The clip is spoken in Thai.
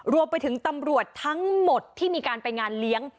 รวมไปถึงตำรวจทั้งหมดที่มีการไปงานเลี้ยง